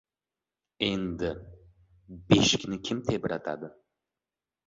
— Endi... beshikni kim tebratadi?